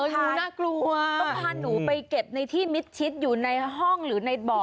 ต้องพาหนูไปเก็บในที่มิดชิดอยู่ในห้องหรือในบอร์ด